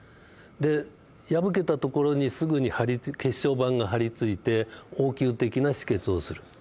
で破けた所にすぐに血小板が張り付いて応急的な止血をする。